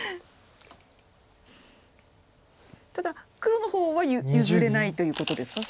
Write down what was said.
ただ黒の方は譲れないということですか？